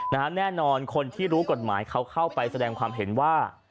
แน่นอนคนที่รู้กฎหมายเขาเข้าไปแสดงความเห็นว่า